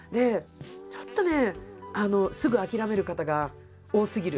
ちょっとねすぐ諦める方が多すぎる。